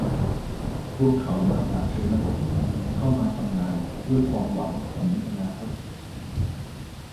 พวกเขามาจากชนบท เข้ามาทำงานด้วยความหวังถึงอนาคต